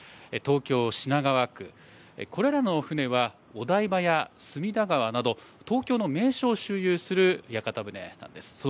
東京・品川区、これらの船は、お台場や隅田川など、東京の名所を周遊する屋形船なんです。